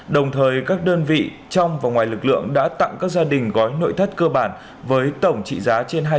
đồng thời các đơn vị trong và ngoài lực lượng đã tặng các gia đình gói nội thất cơ bản với tổng trị giá trên hai trăm linh triệu đồng một căn